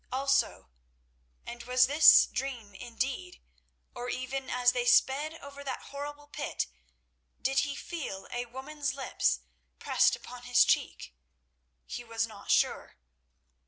Also—and was this dream indeed, or even as they sped over that horrible pit did he feel a woman's lips pressed upon his cheek? He was not sure.